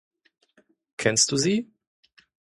Kennst du sie?